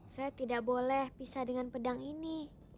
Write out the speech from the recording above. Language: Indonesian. saya tidak boleh pisah dengan pedang ini